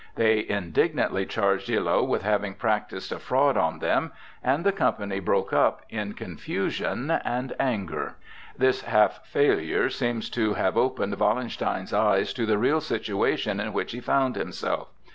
They indignantly charged Illo with having practised a fraud on them, and the company broke up in confusion and anger. This half failure seems to have opened Wallenstein's eyes to the real situation in which he found himself.